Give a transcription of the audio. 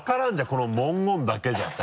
この文言だけじゃさ。